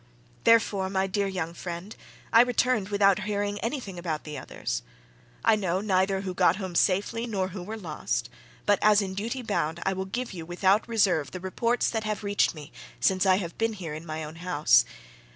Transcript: "Therefore, my dear young friend, I returned without hearing anything about the others. I know neither who got home safely nor who were lost but, as in duty bound, I will give you without reserve the reports that have reached me since I have been here in my own house.